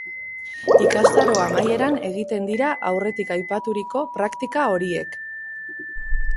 Ikastaro amaieran egiten dira aurretik aipaturiko praktika horiek.